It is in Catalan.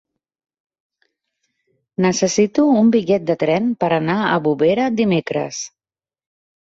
Necessito un bitllet de tren per anar a Bovera dimecres.